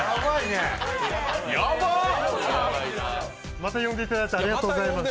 また呼んでいただいてありがとうございます。